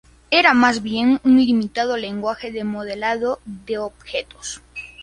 Era más bien un limitado lenguaje de modelado de objetos.